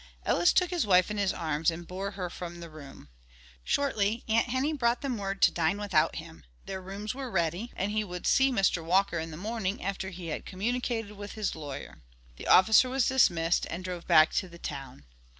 Ellis took his wife in his arms and bore her from the room. Shortly, Aunt Henny brought them word to dine without him, their rooms were ready, and he would see Mr. Walker in the morning after he had communicated with his lawyer. The officer was dismissed, and drove back to the town.